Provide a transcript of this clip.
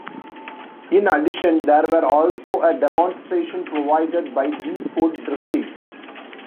In addition, there were also a demonstration provided by D-Sport Drifting.